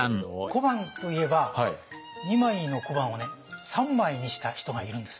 小判といえば２枚の小判をね３枚にした人がいるんです。